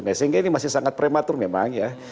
nah sehingga ini masih sangat prematur memang ya